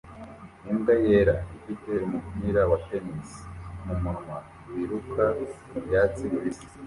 Imbwa yera ifite umupira wa tennis mumunwa wiruka mubyatsi bibisi